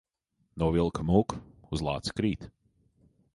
No vilka mūk, uz lāci krīt.